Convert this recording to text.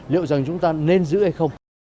liệu rằng chúng ta nên giữ hay không